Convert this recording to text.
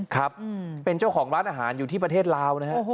ครับเป็นเจ้าของร้านอาหารอยู่ที่ประเทศลาวนะฮะ